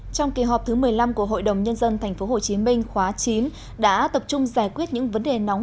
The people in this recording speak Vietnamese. trong kỳ họp thứ một mươi năm của hội đồng nhân dân tp hcm khóa chín đã tập trung giải quyết những vấn đề nóng